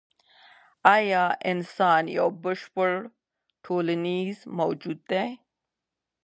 ایا انسان یو بشپړ ټولنیز موجود دی؟